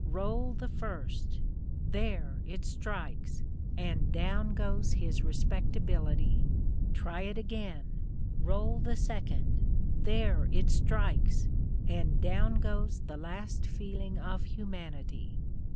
Roll the first there! it strikes! and down goes his respectability. Try it again. Roll the second there! it strikes! and down goes the last feeling of humanity.